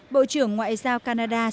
bộ trưởng ngoại giao canada